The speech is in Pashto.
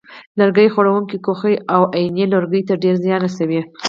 لرګي خوړونکې کوخۍ او وایینې لرګیو ته ډېر زیان رسوي.